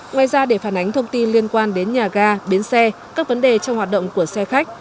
ngoài ra để phản ánh thông tin liên quan đến nhà ga bến xe các vấn đề trong hoạt động của xe khách